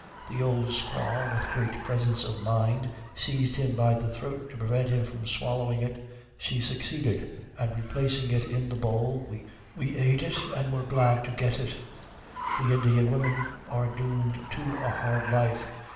The old squaw, with great presence of mind, seized him by the throat to prevent him from swallowing it. She succeeded, and replacing it in the bowl, we eat it, and were glad to get it. The Indian women are doomed to a hard life.